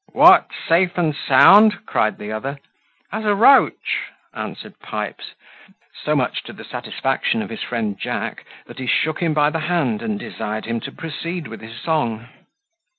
"What! safe and sound?" cried the other. "As a roach," answered Pipes, so much to the satisfaction of his friend Jack, that he shook him by the hand, and desired him to proceed with his song.